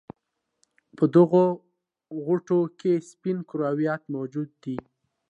په دغه غوټو کې سپین کرویات موجود دي.